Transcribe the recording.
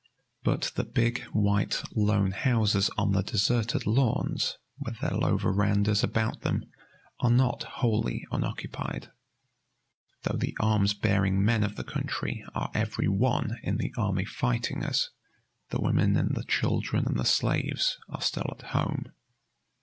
But the big, white, lone houses on the deserted lawns, with their low verandas about them, are not wholly unoccupied. Though the arms bearing men of the country are every one in the army fighting us, the women and the children and the slaves are still at home.